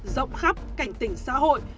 rộng khắp cảnh tỉnh xã hội